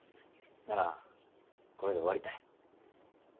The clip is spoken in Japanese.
ならこれで終わりたい。